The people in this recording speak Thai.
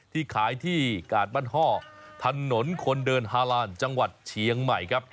ที่ขายที่กาดบ้านห้อถนนคนเดินฮาลานจังหวัดเชียงใหม่ครับ